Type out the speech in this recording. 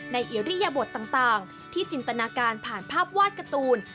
อิริยบทต่างที่จินตนาการผ่านภาพวาดการ์ตูน